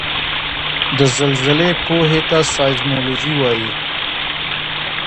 د زلزلې پوهې ته سایزمولوجي وايي